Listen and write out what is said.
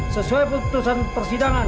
sesuai keputusan persidangan